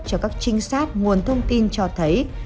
cho các trinh sát nguồn thông tin cho thấy